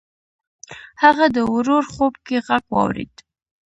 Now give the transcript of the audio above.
هغه د ورور خوب کې غږ واورېد.